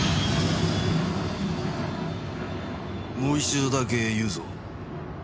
もう一度だけ言うぞ。